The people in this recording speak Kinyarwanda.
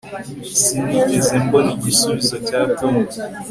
sinigeze mbona igisubizo cya tom